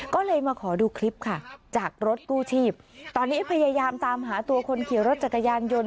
ก็เลยมาขอดูคลิปค่ะจากรถกู้ชีพตอนนี้พยายามตามหาตัวคนขี่รถจักรยานยนต์